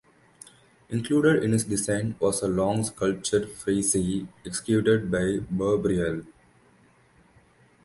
Included in his design was a -long sculptured frieze executed by Buberl.